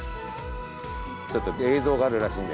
ちょっと映像があるらしいんで。